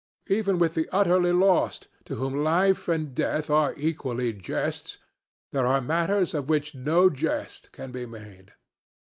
Even with the utterly lost, to whom life and death are equally jests, there are matters of which no jest can be made.